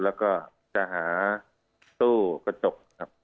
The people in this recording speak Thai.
แล้วก็จะหาตู้กระจกครับ